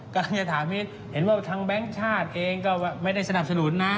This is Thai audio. กำลังจะถามมิ้นเห็นว่าทางแบงค์ชาติเองก็ไม่ได้สนับสนุนนะ